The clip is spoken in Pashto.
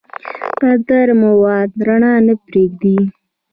کدر مواد رڼا نه پرېږدي.